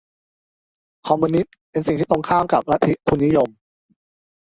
คอมมิวนิสต์เป็นสิ่งที่ตรงกันข้ามกับลัทธิทุนนิยม